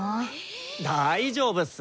大丈夫っす！